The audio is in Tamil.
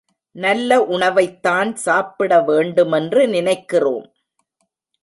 நல்ல உணவைத்தான் சாப்பிட வேண்டுமென்று நினைக்கிறோம்.